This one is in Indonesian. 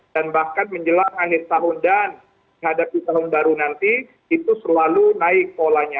dan bahkan menjelang anis tahun dan dihadapi tahun baru nanti itu selalu naik polanya